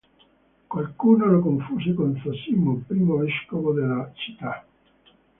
Qualcuno lo confuse con Zosimo, primo vescovo della città.